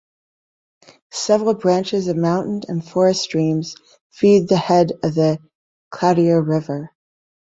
Several branches of mountain and forest streams feed the head of the Cloutier river.